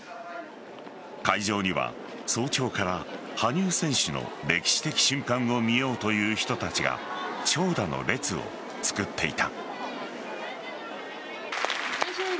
会場には早朝から羽生選手の歴史的瞬間を見ようという人たちが長蛇の列を作っていた。